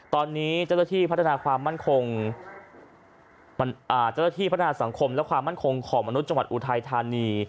ตอนนี้เจ้าหน้าที่พัฒนาสังคมและความมั่นคงของมนุษย์จังหวัดอุทัยธานี